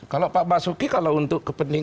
kalau pak basuki kalau untuk kepentingan